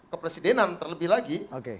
kepresidenan terlebih lagi